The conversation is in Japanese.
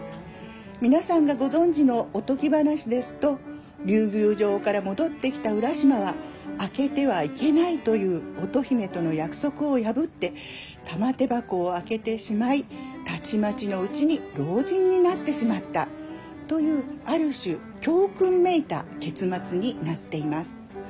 皆さんがご存じのおとぎ話ですと竜宮城から戻ってきた浦島は開けてはいけないという乙姫との約束を破って玉手箱を開けてしまいたちまちのうちに老人になってしまったというある種教訓めいた結末になっています。